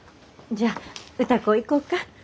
じゃあ歌子行こうか。